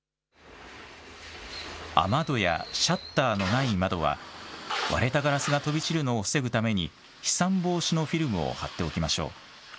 雨戸やシャッターのない窓は割れたガラスが飛び散るのを防ぐために飛散防止のフィルムを貼っておきましょう。